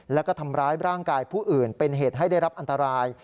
แล้วก็ทำร้ายร่างกายผู้อื่นเป็นเหตุให้ได้รับอันตราย